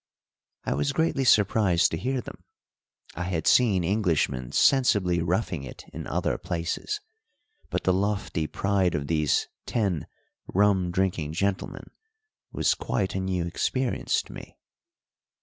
I was greatly surprised to hear them. I had seen Englishmen sensibly roughing it in other places, but the lofty pride of these ten rum drinking gentlemen was quite a new experience to me.